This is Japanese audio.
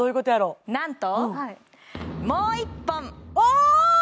なんともう１本おおっ！